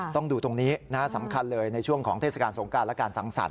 ต้องดูตรงนี้สำคัญเลยในช่วงของเทศกาลสงการและการสังสรรค